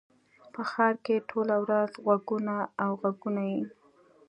په ښار کښي ټوله ورځ ږغونه او ږغونه يي.